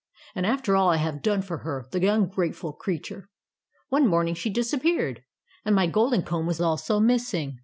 And after all I have done for her, the ungrateful creature. One morning she disappeared, and my golden comb was also missing.